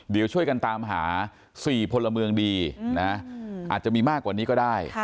เดี๋ยวช่วยกันตามหา๔พลเมืองดีอาจจะมีมากกว่านี้ก็ได้